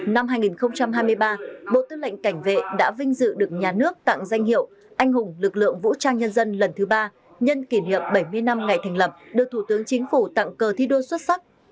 năm hai nghìn hai mươi ba bộ tư lệnh cảnh vệ đã vinh dự được nhà nước tặng danh hiệu anh hùng lực lượng vũ trang nhân dân lần thứ ba nhân kỷ niệm bảy mươi năm ngày thành lập đưa thủ tướng chính phủ tặng cờ thi đua xuất sắc